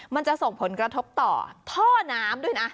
มันจะส่งผลกระทบต่อท่อน้ำด้วยนะ